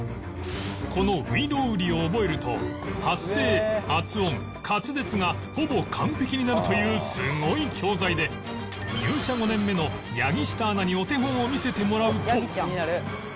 この『外郎売』を覚えると発声・発音・滑舌がほぼ完璧になるというすごい教材で入社５年目の柳下アナにお手本を見せてもらうと